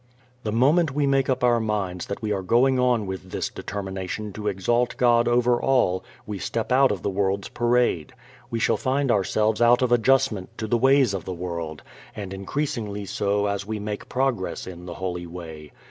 The moment we make up our minds that we are going on with this determination to exalt God over all we step out of the world's parade. We shall find ourselves out of adjustment to the ways of the world, and increasingly so as we make progress in the holy way.